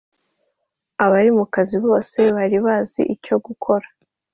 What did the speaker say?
Abari mu kazi bose Bari bazi icyo gukora